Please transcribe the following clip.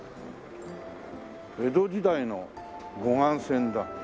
江戸時代の護岸線だ。